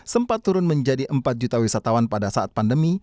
sempat turun menjadi empat juta wisatawan pada saat pandemi